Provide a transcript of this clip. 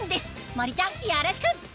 森ちゃんよろしく！